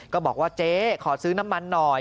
ก็บอกว่าเจ๊ขอซื้อน้ำมันหน่อย